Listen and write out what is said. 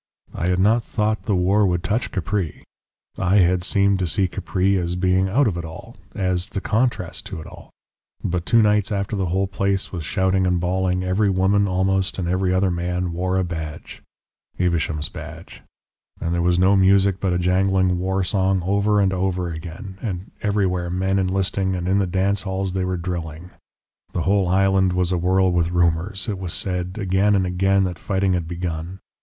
I had not thought the war would touch Capri I had seemed to see Capri as being out of it all, as the contrast to it all; but two nights after the whole place was shouting and bawling, every woman almost and every other man wore a badge Evesham's badge and there was no music but a jangling war song over and over again, and everywhere men enlisting, and in the dancing halls they were drilling. The whole island was awhirl with rumours; it was said, again and again, that fighting had begun.